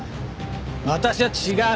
私は違う。